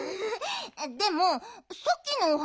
でもさっきのお花